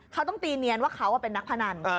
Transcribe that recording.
เขาต้องตีเนียนว่าเขาเป็นนักพนัน